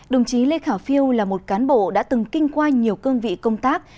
đồng chí lê khả phiêu là một cán bộ đã từng kinh qua nhiều cương vị công tác